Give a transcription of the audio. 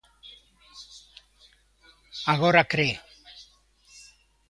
Agora cre.